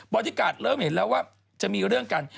อดี้การ์ดเริ่มเห็นแล้วว่าจะมีเรื่องกัน